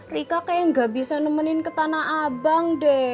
rika kaya gak bisa nemenin ke tanah abang ya kakak